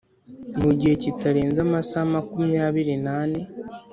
Mu gihe kitarenze amasaha makumyabiri n ane